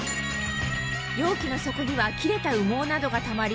容器の底には切れた羽毛などがたまり